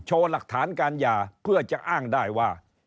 หลักฐานการหย่าเพื่อจะอ้างได้ว่า